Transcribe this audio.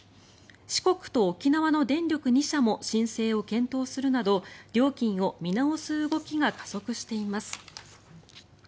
四国と沖縄の電力２社も申請を検討するなど料金を見直す動きが加速しています。